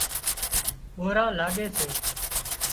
ٻوران لاڳي سي